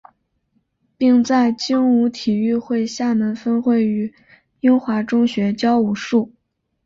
并在精武体育会厦门分会与英华中学教武术。